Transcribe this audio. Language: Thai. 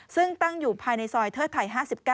ซึ่งตั้งอยู่ภายในซอยเทิดไทย๕๙